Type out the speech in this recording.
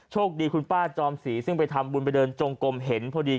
คดีคุณป้าจอมศรีซึ่งไปทำบุญไปเดินจงกลมเห็นพอดี